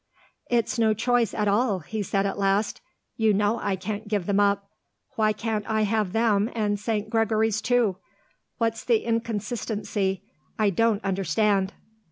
"It's no choice at all," he said at last. "You know I can't give them up. Why can't I have them and St. Gregory's, too? What's the inconsistency? I don't understand."